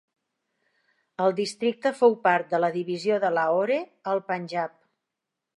El districte fou part de la divisió de Lahore al Panjab.